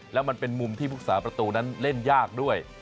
แล้วมันเป็นมุมที่ภูษาประตูนั้นเล่นยากด้วย